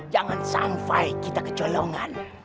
jangan sampai kita ke colongan